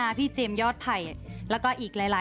เอเฦมเซนอปเปรนซ์